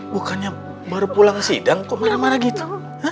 bukannya baru pulang sidang kok marah marah gitu